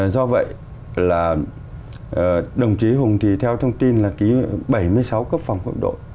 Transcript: do vậy là đồng chí hùng thì theo thông tin là ký bảy mươi sáu cấp phòng quốc đội